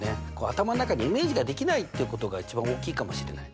頭の中でイメージができないってことが一番大きいかもしれない。